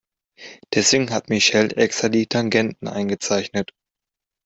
Deswegen hat Michelle extra die Tangenten eingezeichnet.